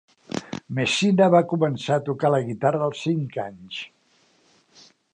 Messina va començar a tocar la guitarra als cinc anys.